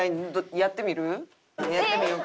やってみようか。